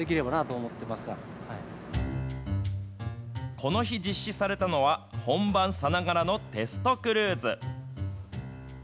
この日、実施されたのは、本番さながらのテストクルーズ。